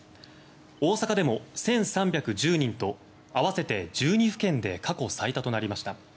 大阪でも１３１０人と合わせて１２府県で過去最多となりました。